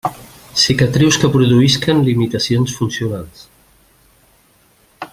Cicatrius que produïsquen limitacions funcionals.